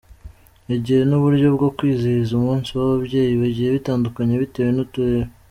Igihe n’uburyo bwo kwizihiza umunsi w’ababyeyi bigiye bitandukanye bitewe n’uturere.